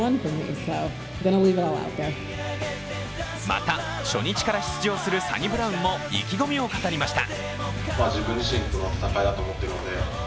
また、初日から出場するサニブラウンも意気込みを語りました。